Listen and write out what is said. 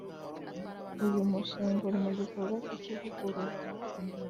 Uyu mushinga uri mu gikorwa cyo kuvugurura